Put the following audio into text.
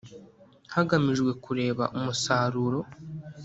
hagamijwe kureba umusaruro